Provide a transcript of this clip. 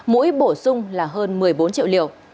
mỗi bổ sung là hơn một mươi bốn triệu liều